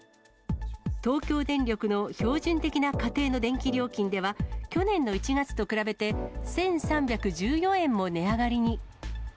東京電力の標準的な家庭の電気料金では、去年の１月と比べて１３１４円も値上がりに。